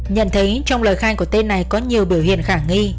nhận thấy trong lời khai của tên này có nhiều biểu hiện khả nghi